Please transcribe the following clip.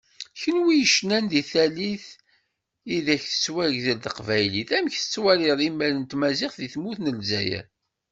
Kunwi yecnan di tallit ideg tettwagdel teqbaylit, amek tettwaliḍ imal n tmaziɣt di tmurt n Lezzayer?